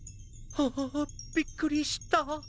あああびっくりした。